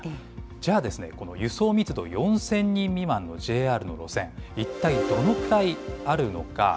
じゃあ、輸送密度４０００人未満のＪＲの路線、一体どのくらいあるのか。